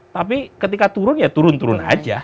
tapi ketika turun ya turun turun aja